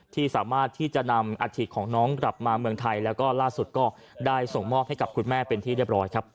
ที่สามารถที่จะนำอาธิของน้องกลับมาเมืองไทยแล้วก็ล่าสุดก็ได้ส่งมอบให้กับคุณแม่เป็นที่เรียบร้อยครับ